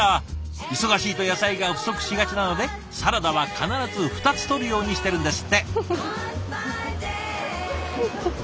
忙しいと野菜が不足しがちなのでサラダは必ず２つとるようにしてるんですって。